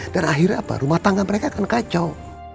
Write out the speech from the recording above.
dan akhirnya apa rumah tangga mereka kan kacau